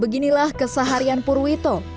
beginilah keseharian purwito